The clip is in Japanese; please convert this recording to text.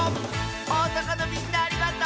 おおさかのみんなありがとう！